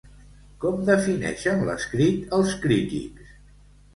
Com defineixen l'escrit els crítics?